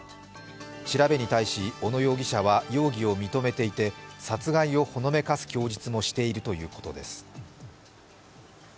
調べに対し、小野容疑者は容疑を認めていて、殺害をほのめかす供述もしているということです。